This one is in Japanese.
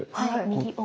右奥。